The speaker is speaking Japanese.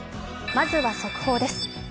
まずは速報です。